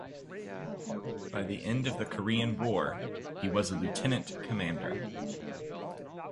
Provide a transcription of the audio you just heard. By the end of the Korean War, he was a lieutenant commander.